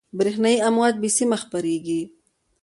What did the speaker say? برېښنایي امواج بې سیمه خپرېږي.